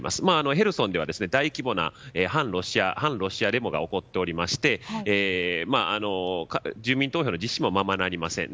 ヘルソンでは大規模な反ロシアデモが起こっておりまして住民投票の実施もままなりません。